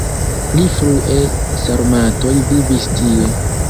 Pli frue sarmatoj vivis tie.